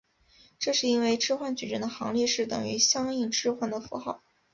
这是因为置换矩阵的行列式等于相应置换的符号。